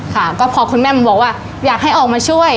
ค่ะก็พอคุณแม่มันบอกว่าอยากให้ออกมาช่วย